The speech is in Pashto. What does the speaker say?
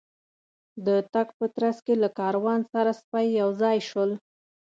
د تګ په ترڅ کې له کاروان سره سپي یو ځای شول.